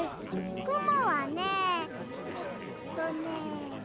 くもはねえっとね。